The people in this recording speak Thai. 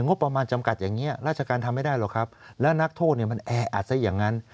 งบประมาณจำกัดอย่างนี้ราชการทำไม่ได้หรอกครับแล้วนักโทษเนี่ยมันแออัดซะอย่างนั้น